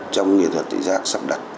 trong nghệ thuật tự giác sắp đặt